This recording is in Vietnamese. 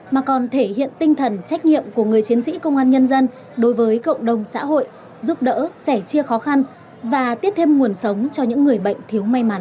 mà còn thể hiện tinh thần trách nhiệm của người chiến sĩ công an nhân dân đối với cộng đồng xã hội giúp đỡ sẻ chia khó khăn và tiếp thêm nguồn sống cho những người bệnh thiếu may mắn